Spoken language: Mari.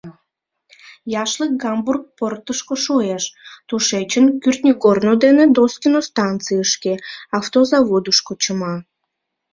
Яшлык Гамбург портышко шуэш, тушечын кӱртньыгорно дене Доскино станцийышке, Автозаводышко, чыма.